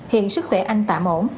hiện sức khỏe anh tạm ổn